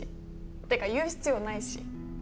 てか言う必要ないし。